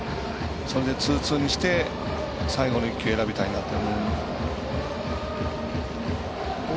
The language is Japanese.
それで、ツーツーにして最後の一球選びたいなと。